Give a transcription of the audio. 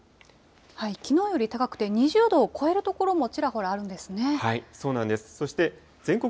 きのうより高くて、２０度を超える所もちらほらあるんですね。